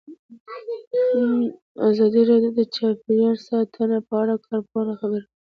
ازادي راډیو د چاپیریال ساتنه په اړه د کارپوهانو خبرې خپرې کړي.